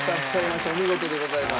お見事でございます。